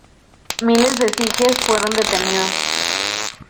Miles de sijes fueron detenidos.